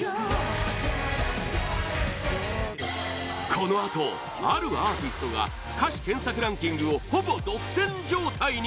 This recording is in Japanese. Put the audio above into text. このあと、あるアーティストが歌詞検索ランキングをほぼ独占状態に！